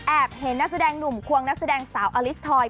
เห็นนักแสดงหนุ่มควงนักแสดงสาวอลิสทอย